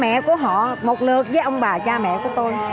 mẹ của họ một lượt với ông bà cha mẹ của tôi